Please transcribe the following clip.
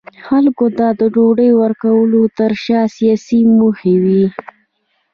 خلکو ته د ډوډۍ ورکولو ترشا سیاسي موخې وې.